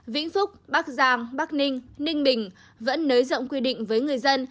vĩnh phúc bắc giang bắc ninh ninh bình vẫn nới rộng quy định với người dân